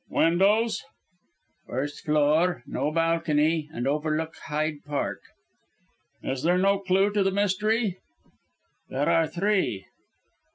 "Windows?" "First floor, no balcony, and overlook Hyde Park." "Is there no clue to the mystery?" "There are three!"